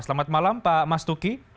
selamat malam pak mastuki